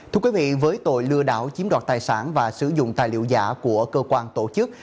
thưa quý vị với tội lừa đảo chiếm đoạt tài sản và sử dụng tài liệu giả của cơ quan tổ chức